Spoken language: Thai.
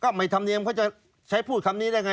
ไม่ธรรมเนียมเขาจะใช้พูดคำนี้ได้ไง